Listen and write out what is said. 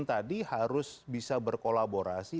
tadi harus bisa berkolaborasi